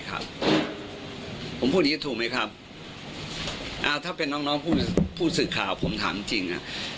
ผมพูดนี้ถูกไหมครับถ้าเป็นน้องผู้สื่อข่าวผมถามจริง